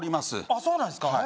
あっそうなんですか